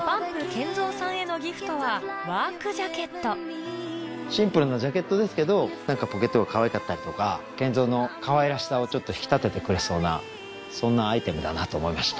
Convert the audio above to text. ＫＥＮＺＯさんへのギフトはワークジャケットシンプルなジャケットですけどポケットがかわいかったりとかＫＥＮＺＯのかわいらしさをちょっと引き立ててくれそうなそんなアイテムだなと思いました。